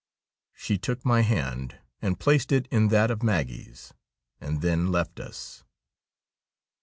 She took my hand and placed it in that of Maggie's, and then left us.